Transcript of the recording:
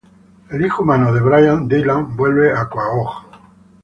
El hijo humano de Brian, Dylan, vuelve a Quahog.